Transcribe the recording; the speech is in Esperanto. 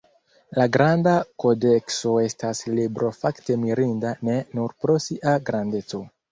La Granda Kodekso estas libro fakte mirinda ne nur pro sia grandeco.